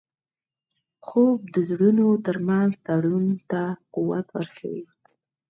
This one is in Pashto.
خوب د زړونو ترمنځ تړون ته قوت ورکوي